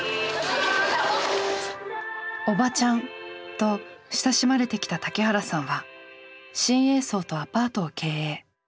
「おばちゃん」と親しまれてきた竹原さんは新栄荘とアパートを経営。